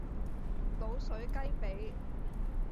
滷水雞脾